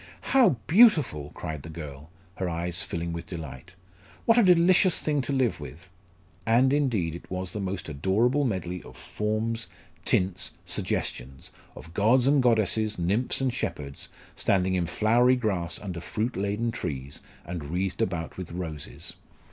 "How beautiful!" cried the girl, her eyes filling with delight. "What a delicious thing to live with." And, indeed, it was the most adorable medley of forms, tints, suggestions, of gods and goddesses, nymphs and shepherds, standing in flowery grass under fruit laden trees and wreathed about with roses.